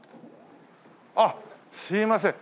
あっすいません。